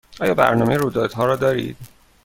آیا برنامه رویدادها را دارید؟